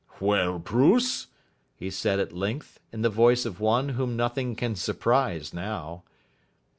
"Well, Bruce?" he said at length, in the voice of one whom nothing can surprise now.